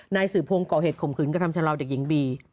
นายสืบพงศ์ก่อเหตุข่มขืนกระทำชำลาวเด็กหญิงบี